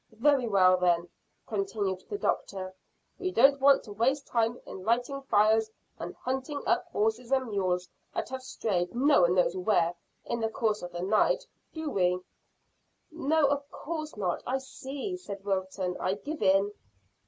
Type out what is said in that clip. "Very well, then," continued the doctor; "we don't want to waste time in lighting fires and hunting up horses and mules that have strayed no one knows where in the course of the night, do we?" "No, of course not. I see," said Wilton. "I give in."